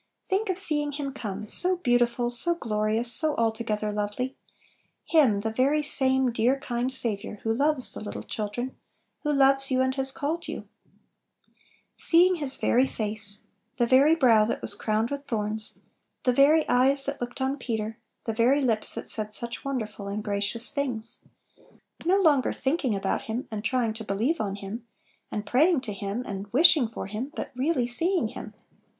Think of seeing Him come, so beauti ful, so glorious, so "altogether lovely"; Him, the very same dear, kind Saviour, who loves the little children, who loves you and has called youl Seeing His very face; the very brow that was 64 Little Pillows. crowned with thorns, the very eyes that looked on Peter, the very lips that said such wonderful and gracious things! No longer thinking about Him, and trying to believe on Him, and pray ing to Him, and wishing for Him, but really seeing Him!